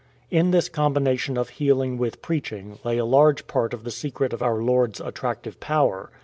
'*' In this combination of healing with preaching lay a large part of the secret of our Lord's attractive power.